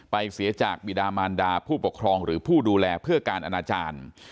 เสียจากบิดามานดาผู้ปกครองหรือผู้ดูแลเพื่อการอนาจารย์